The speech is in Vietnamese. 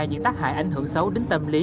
những tác hại ảnh hưởng xấu đến tâm lý